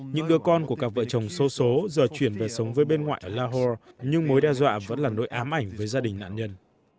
những đứa con của các vợ chồng sâu số giờ chuyển về sống với bên ngoại lahore nhưng mối đe dọa vẫn là nỗi ám ảnh với gia đình nạn nhân